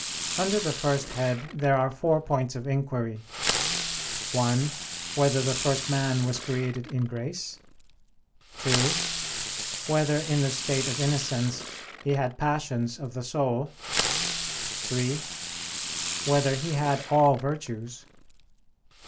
Under the first head there are four points of inquiry: (1) Whether the first man was created in grace? (2) Whether in the state of innocence he had passions of the soul? (3) Whether he had all virtues?